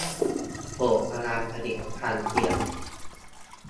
โปรดระวัง 'ผลิตภัณฑ์เทียม' !